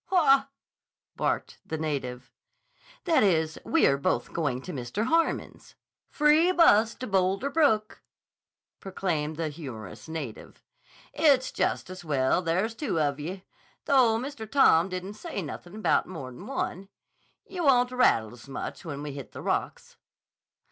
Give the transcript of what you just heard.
"Haw!" barked the native. "That is, we are both going to Mr. Harmon's." "Free bus to Boulder Brook," proclaimed the humorous native. "It's jest as well there's two of ye, though Mr. Tom didn't say nothin' about more'n one. Ye won't rattle s' much when we hit the rocks."